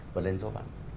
và lên số phận